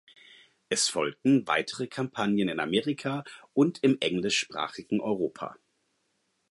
Es folgten weitere Kampagnen in Amerika und im englischsprachigen Europa.